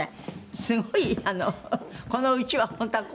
「すごいこのうちは本当はこういう風な」